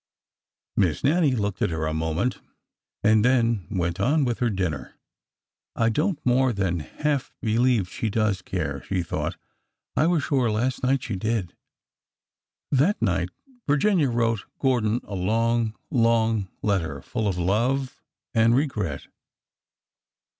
Miss Nannie looked at her a moment and then went on with her dinner. I don't more than half believe she does care," she thought. '' I was sure last night she did." That night Virginia wrote Gordon a long, long letter, full of love and regret.